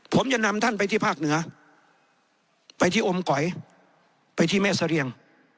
ผมจะนำท่านไปที่ภาคเหนือไปที่อมก๋อยไปที่แม่เสรียง